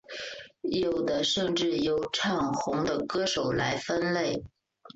有的甚至由唱红的歌手来分类。